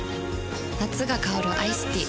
夏が香るアイスティー